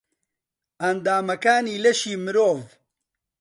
ئەندامەکانی لەشی مرۆڤ